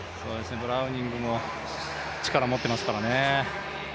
ブラウニングも力持っていますからね。